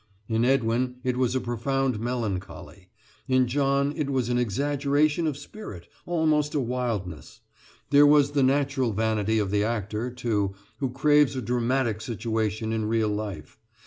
In Edwin it was a profound melancholy; in John it was an exaggeration of spirit almost a wildness. There was the natural vanity of the actor, too, who craves a dramatic situation in real life.